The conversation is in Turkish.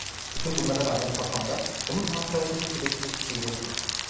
Bütün bunlara rağmen kafamda, onun hatırasını kirletecek bir şey yoktu.